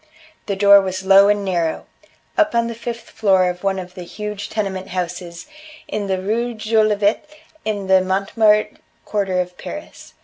The door was low and narrow up on the fifth floor of one of the huge tenement houses in the Rue Jolivet in the Montmartre quarter of Paris.